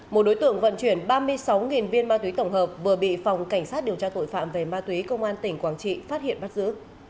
một đối tượng vận chuyển ba mươi sáu viên ma túy tổng hợp vừa bị phòng cảnh sát điều tra tội phạm về ma túy công an tỉnh quảng trị phát hiện bắt giữ